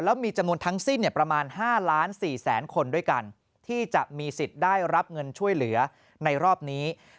แล้วมีจำนวนทั้งสิ้นประมาณ๕ล้าน๔แสนคนด้วยกันที่จะมีสิทธิ์ได้รับเงินช่วยเหลือในรอบนี้